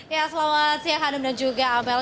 ya selamat siang hanum dan juga amel